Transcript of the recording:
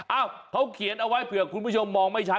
เอ้าเขาเขียนเอาไว้เผื่อคุณผู้ชมมองไม่ชัด